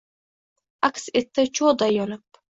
Aks etdi cho’g’day yonib.